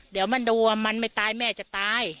เดี๋ยวมันดูว่ามันไม่ตายแม่จะตาย